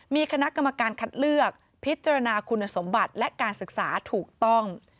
มีคณะกรรมการคัดเลือกพิจารณาคุณสมบัติและการศึกษาถูกต้อง